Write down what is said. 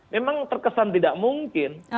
memang terkesan tidak mungkin